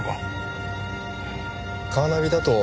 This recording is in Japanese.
カーナビだと。